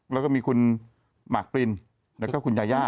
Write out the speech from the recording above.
แล้วก็มีคุณหมากปรินแล้วก็คุณยาย่า